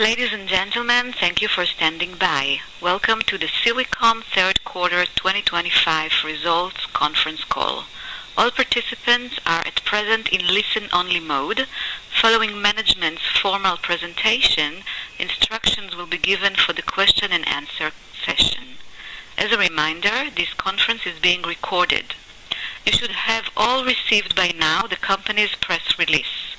Ladies and gentlemen, thank you for standing by. Welcome to the Silicom third quarter 2025 results conference call. All participants are at present in listen-only mode following Management's formal presentation. Instructions will be given for the question and answer session. As a reminder, this conference is being recorded. You should have all received by now the Company's press release.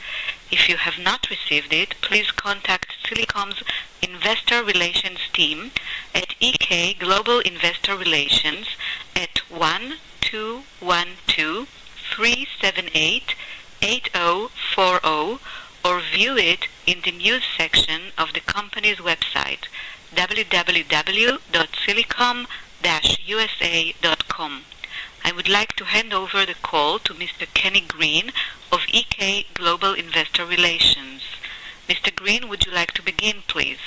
If you have not received it, please contact Silicom's Investor Relations team at EK Global Investor Relations at 12-378-8040 or view it in the news section of the Company's website www.silicom-usa.com. I would like to hand over the call to Mr. Kenny Green of EK Global Investor Relations. Mr. Green, would you like to begin please?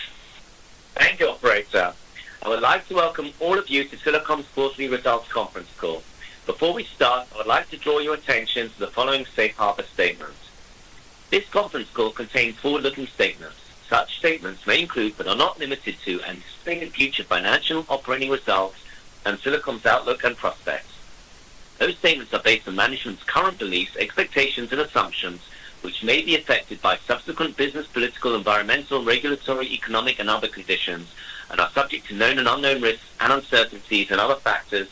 Thank you. Operator, I would like to welcome all of you to Silicom's quarterly results conference call. Before we start, I would like to draw your attention to the following Safe Harbor Statement. This conference call contains forward-looking statements. Such statements may include, but are not limited to, anticipated future financial operating results and Silicom's outlook and prospects. Those statements are based on management's current beliefs, expectations, and assumptions, which may be affected by subsequent business, political, environmental, regulatory, economic, and other conditions and are subject to known and unknown risks and uncertainties and other factors,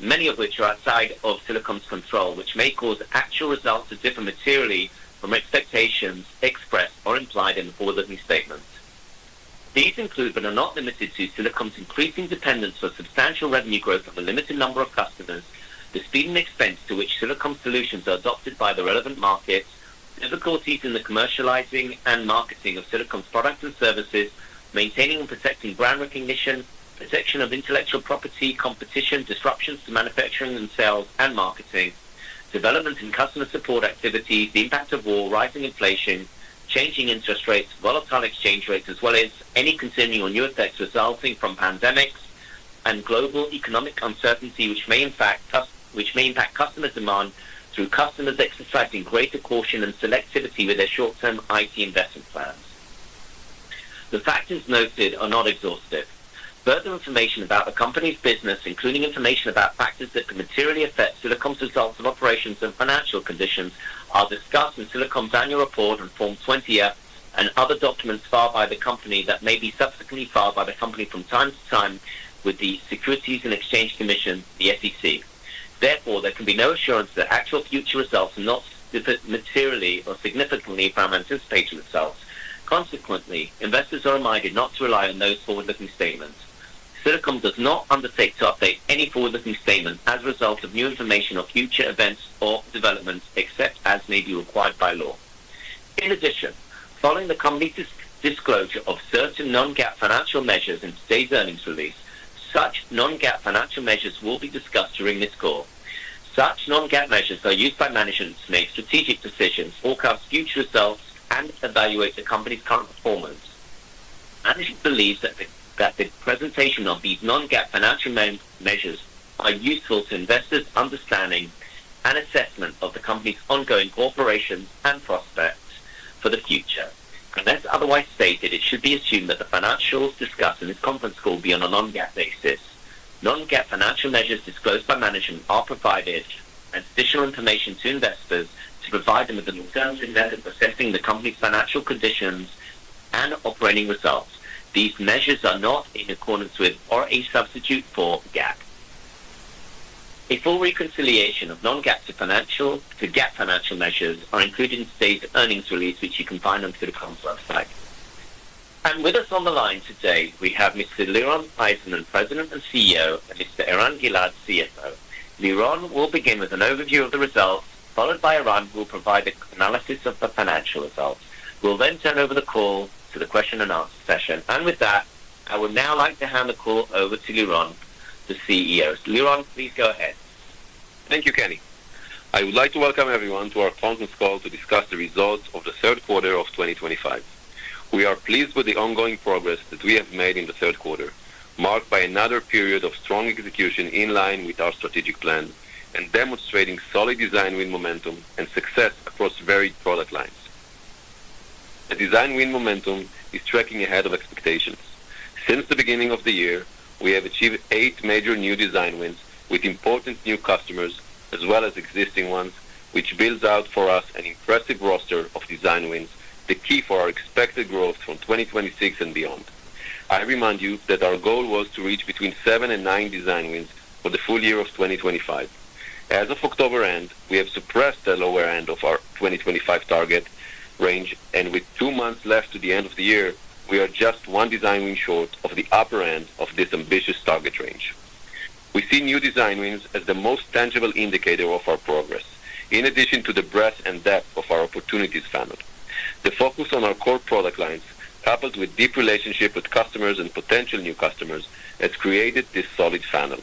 many of which are outside of Silicom's control, which may cause actual results to differ materially from expectations expressed or implied in the forward-looking statements. These include, but are not limited to, Silicom's increasing dependence for substantial revenue growth on a limited number of customers, the speed and expense to which Silicom solutions are adopted by the relevant markets, difficulties in the commercialization and marketing of Silicom's products and services, maintaining and protecting brand recognition, protection of intellectual property, competition, disruptions to manufacturing and sales and marketing, development in customer support activities, the impact of war, rising inflation, changing interest rates, volatile exchange rates, as well as any concerning or new effects resulting from pandemics and global economic uncertainty, which may impact customer demand through customers exercising greater caution and selectivity with their short-term IT investment plans. The factors noted are not exhaustive. Further information about the Company's business, including information about factors that could materially affect Silicom's results of operations and financial conditions, are discussed in Silicom's annual report on Form 20-F and other documents filed by the Company that may be subsequently filed by the Company from time to time with the Securities and Exchange Commission, the SEC. Therefore, there can be no assurance that actual future results will not differ materially or significantly from anticipated results. Consequently, investors are reminded not to rely on those forward-looking statements. Silicom does not undertake to update any forward-looking statement as a result of new information or future events or developments except as. May be required by law. In addition, following the Company's disclosure of certain non-GAAP financial measures in today's earnings release, such non-GAAP financial measures will be discussed during this call. Such non-GAAP measures are used by management to make strategic decisions, forecast future results, and evaluate the Company's current performance. Management believes that the presentation of these non-GAAP financial measures is useful to investors' understanding and assessment of the Company's ongoing operations and prospects for the future. Unless otherwise stated, it should be assumed that the financials discussed in this conference call will be on a non-GAAP basis. Non-GAAP financial measures disclosed by management are provided as additional information to investors to provide them with an alternative method for setting the Company's financial conditions and operating results. These measures are not in accordance with or a substitute for GAAP. A full reconciliation of non-GAAP to GAAP financial measures is included in today's earnings release, which you can find on Silicom Ltd.'s website. With us on the line today we have Mr. Liron Eizenman, President and CEO, and Mr. Eran Gilad, CFO. Liron will begin with an overview of the results followed by Eran, who will provide an analysis of the financial results. We'll then turn over the call to the question and answer session. With that, I would now like to hand the call over to Liron, the CEO. Liron, please go ahead. Thank you, Kenny. I would like to welcome everyone to our conference call to discuss the results of the third quarter of 2025. We are pleased with the ongoing progress that we have made in the third quarter, marked by another period of strong execution in line with our strategic plan and demonstrating solid design win momentum and success across varied product lines. The design win momentum is tracking ahead of expectations. Since the beginning of the year, we have achieved eight major new design wins with important new customers as well as existing ones, which builds out for us an impressive roster of design wins. The key for our expected growth from 2026 and beyond. I remind you that our goal was to reach between seven and nine design wins for the full year of 2025. As of October end, we have surpassed the lower end of our 2025 target range, and with two months left to the end of the year, we are just one design win short of the upper end of this ambitious target range. We see new design wins as the most tangible indicator of our progress. In addition to the breadth and depth of our Opportunities Funnel, the focus on our core product lines coupled with deep relationships with customers and potential new customers has created this solid funnel.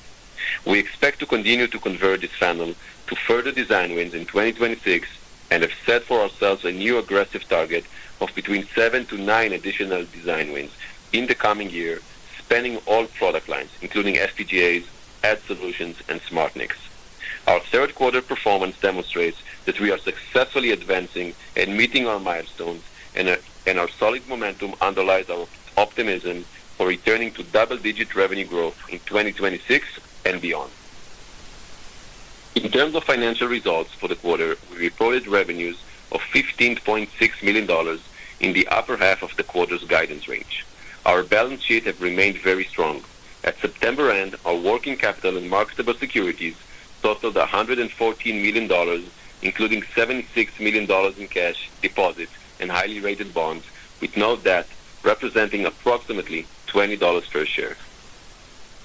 We expect to continue to convert this funnel to further design wins in 2026 and have set for ourselves a new aggressive target of between seven to nine additional design wins in the coming year, spanning all product lines including FPGA Solutions, Ad Solutions, and Smart NICs. Our third quarter performance demonstrates that we are successfully advancing and meeting our milestones, and our solid momentum underlies our optimism for returning to double-digit revenue growth in 2026 and beyond. In terms of financial results for the quarter, we reported revenues of $15.6 million in the upper half of the quarter's guidance range. Our balance sheet has remained very strong. At September end, our working capital and marketable securities totaled $114 million, including $76 million in cash deposits and highly rated bonds with no debt, representing approximately $20 per share.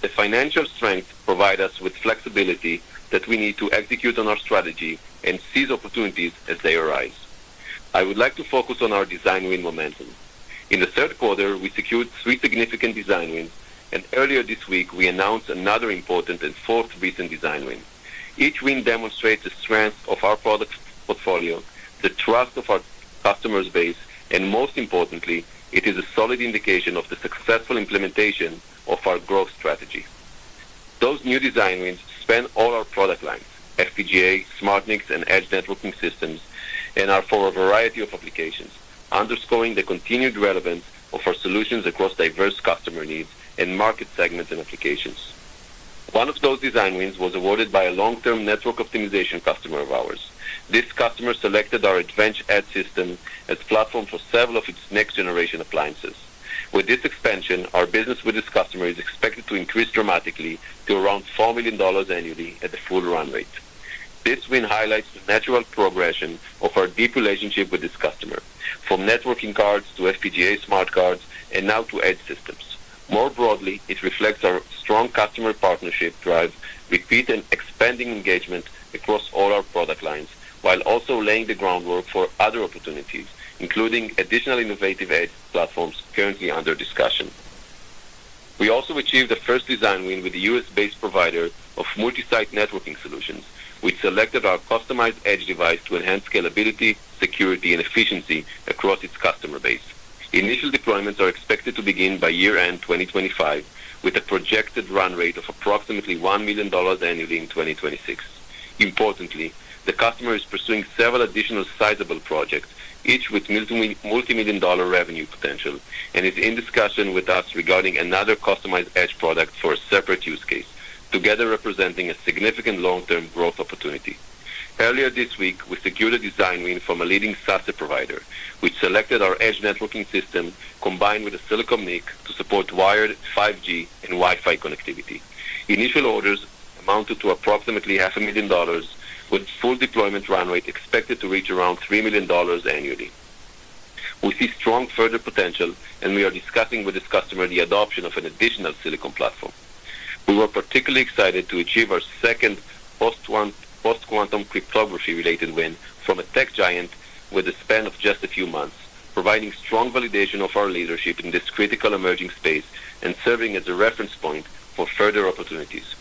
The financial strength provides us with flexibility that we need to execute on our strategy and seize opportunities as they arise. I would like to focus on our design win momentum. In the third quarter, we secured three significant design wins, and earlier this week we announced another important and fourth recent design win. Each win demonstrates the strength of our products portfolio, the trust of our customer base, and most importantly, it is a solid indication of the successful implementation of our growth strategy. Those new Design Wins span all our product lines, FPGA Solutions, Smart NICs, and Edge Networking System, and are for a variety of applications, underscoring the continued relevance of our solutions across diverse customer needs and market segments and applications. One of those Design Wins was awarded by a long-term network optimization customer of ours. This customer selected our advanced Edge system as a platform for several of its next generation appliances. With this expansion, our business with this customer is expected to increase dramatically to around $4 million annually at the full run rate. This win highlights the natural progression of our deep relationship with this customer from network interface cards to FPGA smart cards and now to Edge systems. More broadly, it reflects our strong customer partnership drives, repeat and expanding engagement across all our product lines, while also laying the groundwork for other opportunities, including additional innovative Edge platforms currently under discussion. We also achieved the first Design Win with the U.S.-based provider of multi-site networking solutions, which selected our customized Edge device to enhance scalability, security, and efficiency across its customer base. Initial deployments are expected to begin by year end 2025, with a projected run rate of approximately $1 million annually in 2026. Importantly, the customer is pursuing several additional sizable projects, each with multimillion dollar revenue potential, and is in discussion with us regarding another customized Edge product for a separate use case, together representing a significant long-term growth opportunity. Earlier this week, we secured a Design Win from a leading SASE provider, which selected our Edge Networking System combined with a Silicom NIC to support wired 5G and Wi-Fi connectivity. Initial orders amounted to approximately $0.5 million, with full deployment run rate expected to reach around $3 million annually. We see strong further potential, and we are discussing with this customer the adoption of an additional Silicom platform. We were particularly excited to achieve our second post-quantum cryptography related win from a tech giant within the span of just a few months, providing strong validation of our leadership in this critical emerging space and serving as a reference point for further opportunities.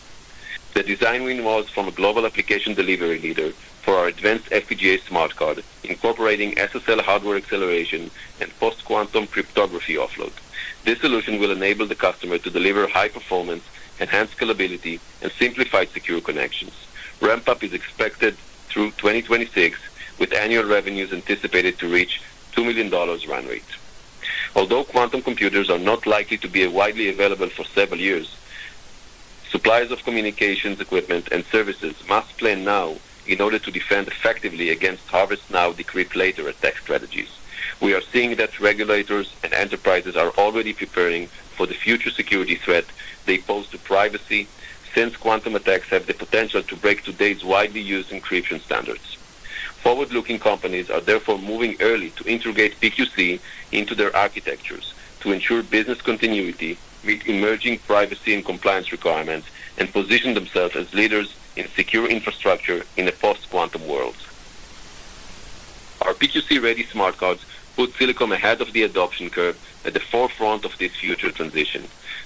The design win was from a global application delivery leader for our advanced FPGA Smart NIC. Incorporating SSL, hardware acceleration, and post-quantum cryptography offload, this solution will enable the customer to deliver high performance, enhanced scalability, and simplified secure connections. Ramp up is expected through 2026 with annual revenues anticipated to reach a $2 million run rate. Although quantum computers are not likely to be widely available for several years, suppliers of communications equipment and services must plan now in order to defend effectively against harvest now, decrypt later attack strategies. We are seeing that regulators and enterprises are already preparing for the future security threat they pose to privacy since quantum attacks have the potential to break today's widely used encryption standards. Forward-looking companies are therefore moving early to integrate PQC into their architectures to ensure business continuity, meet emerging privacy and compliance requirements, and position themselves as leaders in secure infrastructure in a post-quantum world. Our PQC-ready smart cards put Silicom ahead of the adoption curve at the forefront of this future transition.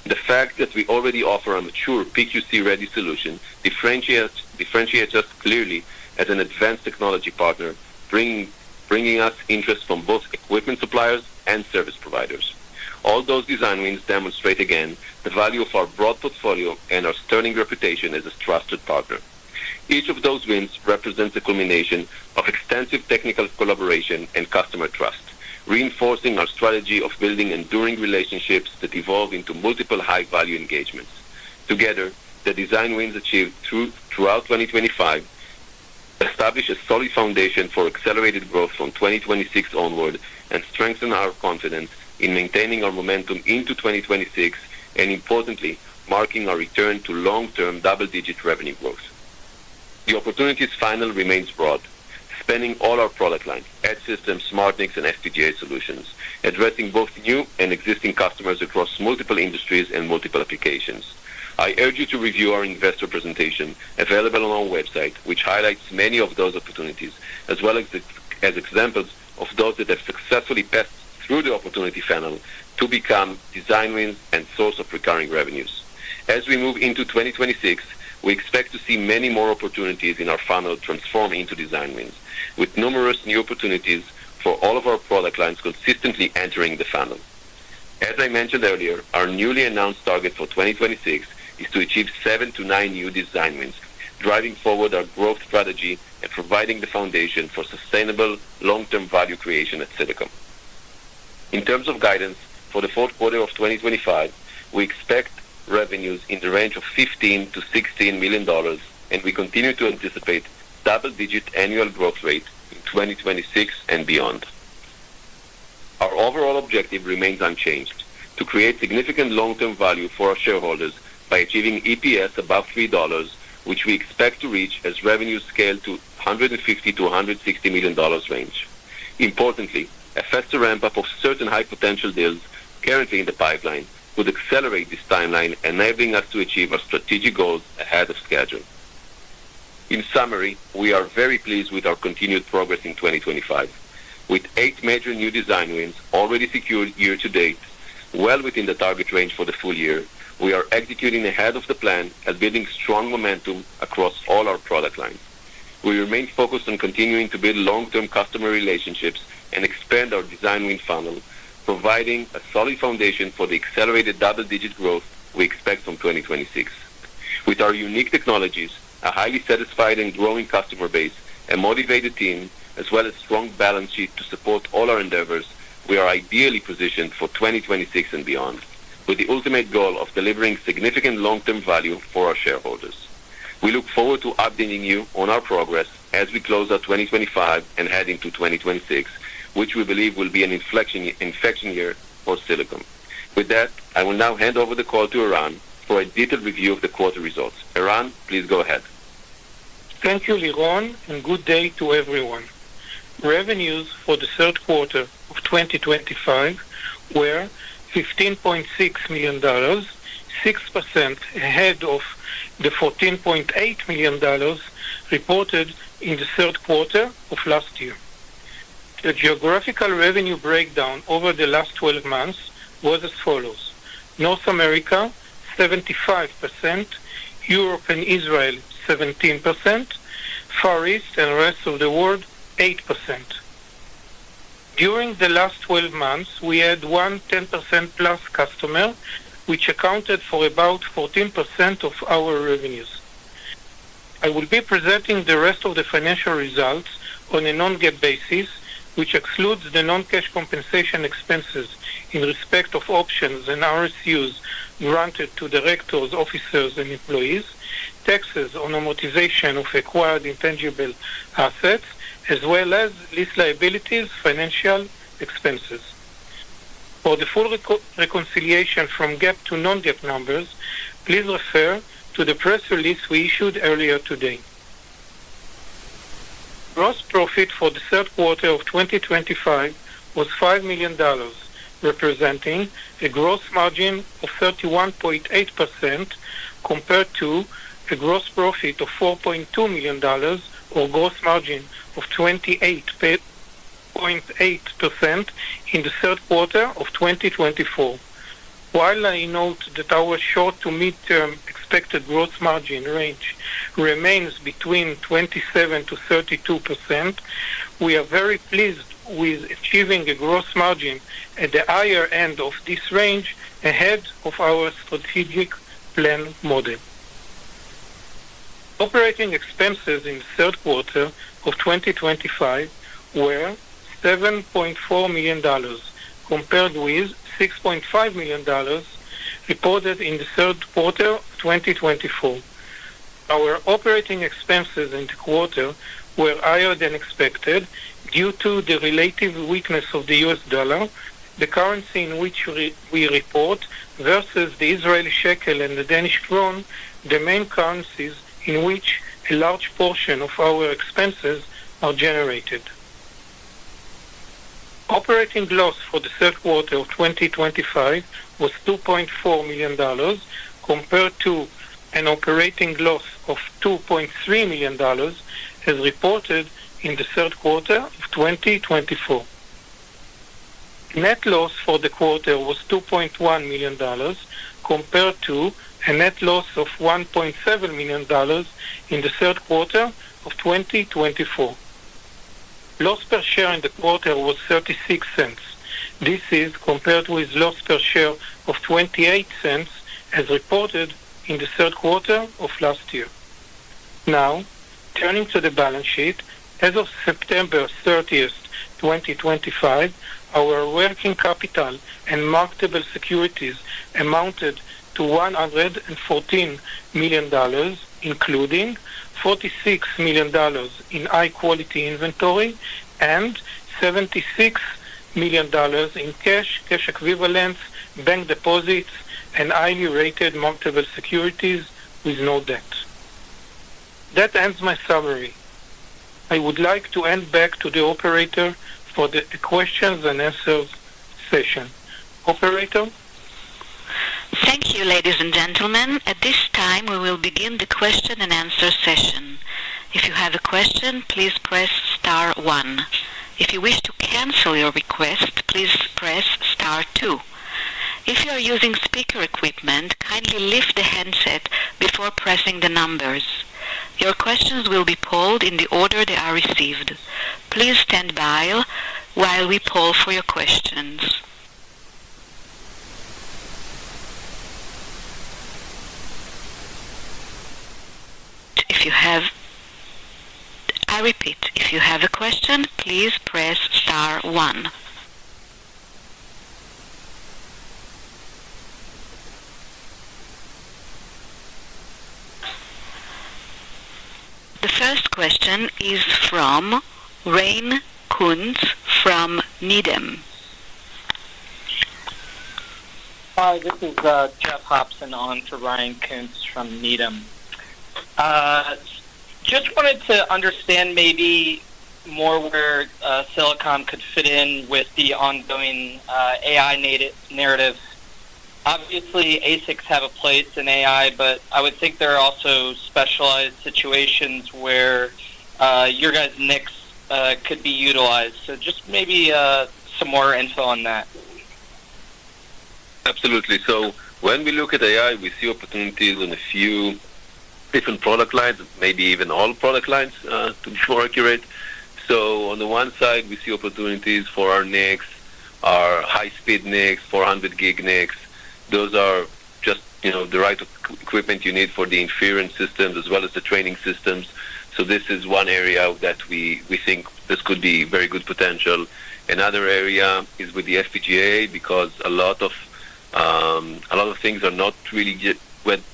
The fact that we already offer a mature PQC-ready solution differentiates us clearly as an advanced technology partner, bringing us interest from both equipment suppliers and service providers. All those design wins demonstrate again the value of our broad portfolio and our sterling reputation as a trusted partner. Each of those wins represents a culmination of extensive technical collaboration and customer trust, reinforcing our strategy of building enduring relationships that evolve into multiple high-value engagements. Together, the design wins achieved throughout 2025 establish a solid foundation for accelerated growth from 2026 onward and strengthen our confidence in maintaining our momentum into 2026, importantly marking our return to long-term double-digit revenue growth. The opportunities funnel remains broad, spanning all our product lines, Edge systems, Smart NICs, and FPGA Solutions, addressing both new and existing customers across multiple industries and multiple applications. I urge you to review our investor presentation available on our website, which highlights many of those opportunities as well as examples of those that have successfully passed through the Opportunity Funnel to become Design Wins and source of recurring revenues. As we move into 2026, we expect to see many more opportunities in our funnel transform into Design Wins with numerous new opportunities for all of our product lines consistently entering the funnel. As I mentioned earlier, our newly announced target for 2026 is to achieve seven to nine new Design Wins, driving forward our growth strategy and providing the foundation for sustainable long term value creation at Silicom. In terms of guidance for the fourth quarter of 2025, we expect revenues in the range of $15 million-$16 million, and we continue to anticipate double digit annual growth rate in 2026 and beyond. Our overall objective remains unchanged to create significant long term value for our shareholders by achieving EPS above $3, which we expect to reach as revenues scale to $150 million-$160 million range. Importantly, a faster ramp up of certain high potential deals currently in the pipeline would accelerate this timeline, enabling us to achieve our strategic goals ahead of schedule. In summary, we are very pleased with our continued progress in 2025 with eight major new Design Wins already secured year-to-date, well within the target range for the full year. We are executing ahead of the plan and building strong momentum across all our product lines. We remain focused on continuing to build long term customer relationships and expand our Design Win funnel, providing a solid foundation for the accelerated double digit growth we expect from 2026. With our unique technologies, a highly satisfied and growing customer base, and motivated team as well as strong balance sheet to support all our endeavors, we are ideally positioned for 2026 and beyond with the ultimate goal of delivering significant long term value for our shareholders. We look forward to updating you on our progress as we close out 2025 and head into 2026, which we believe will be an inflection year for Silicom. With that, I will now hand over the call to Eran for a detailed review of the quarter results. Eran, please go ahead. Thank you, Liron, and good day to everyone. Revenues for the third quarter of 2025 were $15.6 million, 6% ahead of the $14.8 million reported in the third quarter of last year. The geographical revenue breakdown over the last 12 months was as North America 75%, Europe and Israel 17%, Far East and rest of the world 8%. During the last 12 months, we had one 10%+ customer which accounted for about 14% of our revenues. I will be presenting the rest of the financial results on a non-GAAP basis, which excludes the non-cash compensation expenses in respect of options and RSUs granted to directors, officers, and employees, taxes on amortization of acquired intangible assets, as well as lease liabilities financial expenses. For the full reconciliation from GAAP to non-GAAP numbers, please refer to the press release we issued earlier today. Gross profit for the third quarter of 2025 was $5 million, representing a gross margin of 31.8% compared to a gross profit of $4.2 million or gross margin of 28.8% in the third quarter of 2024. While I note that our short to mid-term expected gross margin range remains between 27%-32%, we are very pleased with achieving a gross margin at the higher end of this range, ahead of our strategic plan model. Operating expenses in the third quarter of 2025 were $7.4 million compared with $6.5 million reported in the third quarter 2024. Our operating expenses in the quarter were higher than expected due to the relative weakness of the U.S. Dollar, the currency in which we report, versus the Israeli Shekel and the Danish Crown, the main currencies in which a large portion of our expenses are generated. Operating loss for the third quarter of 2025 was $2.4 million compared to an operating loss of $2.3 million as reported in the third quarter of 2024. Net loss for the quarter was $2.1 million compared to a net loss of $1.7 million in the third quarter of 2024. Loss per share in the quarter was $0.36. This is compared with loss per share of $0.28 as reported in the third quarter of last year. Now turning to the balance sheet. As of September 30, 2025, our working capital and marketable securities amounted to $114 million, including $46 million in high quality inventory and $76 million in cash, cash equivalents, bank deposits, and highly rated marketable securities with no debt. That ends my summary. I would like to hand back to the operator for the questions-and-answers session. Operator, thank you, ladies and gentlemen. At this time, we will begin the question-and-answer session. If you have a question, please press star one. If you wish to cancel your request, please press star two. If you are using speaker equipment, kindly lift the handset before pressing the numbers. Your questions will be polled in the order they are received. Please stand by while we poll for your questions. If you have, I repeat, if you have a question, please press Star one. The first question is from Ryan Koontz from Needham. Hi, this is Jeff Hopson for Ryan Koontz from Needham. Just wanted to understand maybe more where Silicom could fit in with the ongoing AI-native narrative. Obviously ASICs have a place in AI, but I would think there are also specialized situations where your guys' NICs could be utilized. Just maybe some more info on that. Absolutely. When we look at AI, we see opportunities in a few different product lines, maybe even all product lines to be more accurate. On the one side, we see opportunities for our NICs, our high speed NICs, 400G NICs. Those are just the right equipment you need for the inference systems as well as the training systems. This is one area that we think could be very good potential. Another area is with the FPGA because a lot of things are not really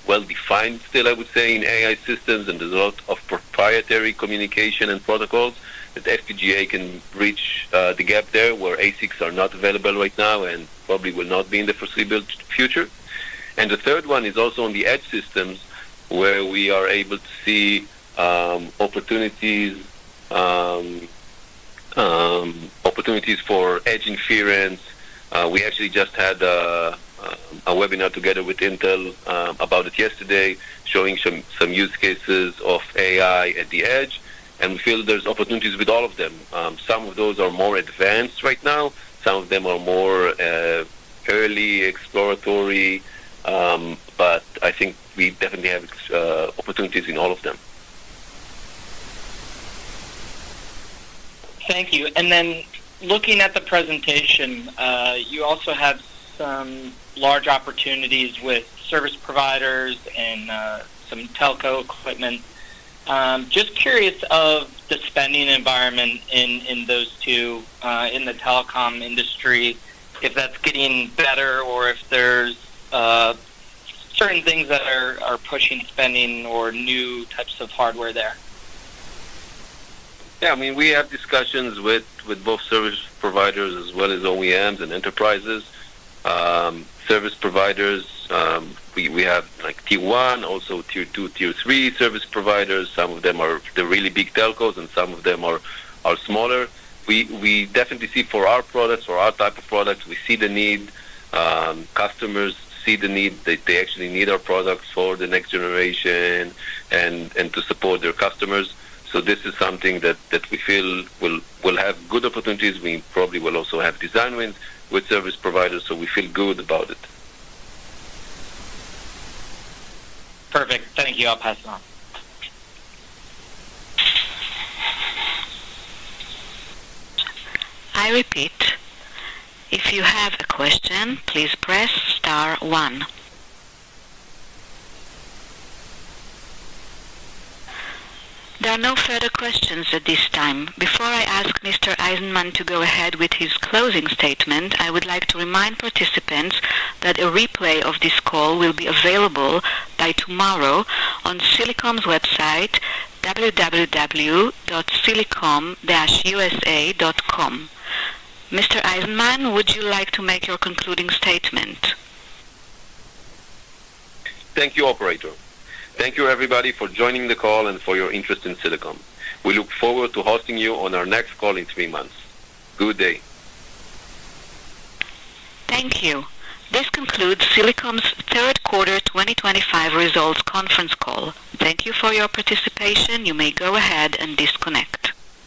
well defined still, I would say, in AI systems. There's a lot of proprietary communication and protocols that FPGA can bridge the gap where ASICs are not available right now and probably will not be in the foreseeable future. The third one is also on the Edge systems where we are able to see opportunities for edge inference. We actually just had a webinar together with Intel about it yesterday, showing some use cases of AI at the edge, and we feel there's opportunities with all of them. Some of those are more advanced right now, some of them are more early exploratory. I think we definitely have opportunities in all of them. Thank you. Looking at the presentation, you also have some large opportunities with service providers and some telco equipment. Just curious of the spending environment in those two in the telecom industry, if that's getting better or if there's. Certain. Things that are pushing spending or new types of hardware there. Yeah, I mean we have discussions with both service providers as well as OEMs and enterprises service providers. We have like tier one, also tier two, tier three service providers. Some of them are the really big telcos and some of them are smaller. We definitely see for our products or our type of products, we see the need, customers see the need that they actually need our product for the next generation to support their customers. This is something that we feel will have good opportunities. We probably will also have design wins with service providers. We feel good about it. Perfect, thank you. I'll pass it on. I repeat, if you have a question, please press star one. There are no further questions at this time. Before I ask Mr. Eizenman to go ahead with his closing statement, I would like to remind participants that a replay of this call will be available by tomorrow on Silicom's website, www.silicom-usa.com. Mr. Eizenman, would you like to make your concluding statement? Thank you, operator. Thank you everybody, for joining the call and for your interest in Silicom. We look forward to hosting you on our next call in three months. Good day. Thank you. This concludes Silicom's third quarter 2025 results conference call. Thank you for your participation. You may go ahead and disconnect.